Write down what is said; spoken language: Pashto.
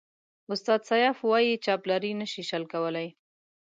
استاد سياف وایي چاپلاري نشي شل کولای.